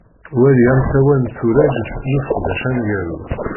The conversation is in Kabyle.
Wali amtawa n turagt n useqdac aneggaru.